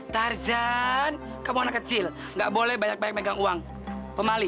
tarzan kamu anak kecil nggak boleh banyak banyak megang uang pemali